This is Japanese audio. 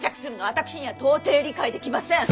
私には到底理解できません！